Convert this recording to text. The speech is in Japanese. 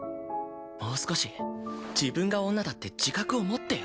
もう少し自分が女だって自覚を持ってよ。